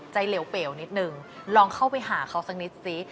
เหลวเปลวนิดนึงลองเข้าไปหาเขาสักนิดซิ